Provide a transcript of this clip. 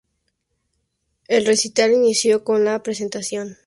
El recital inició con la presentación de algunos temas incluidos en la primera grabación.